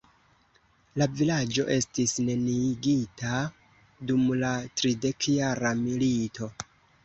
La vilaĝo estis neniigita dum la tridekjara milito.